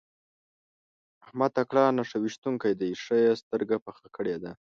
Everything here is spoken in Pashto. احمد تکړه نښه ويشتونکی دی؛ ښه يې سترګه پخه کړې ده.